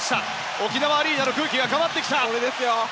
沖縄アリーナの空気が変わってきた。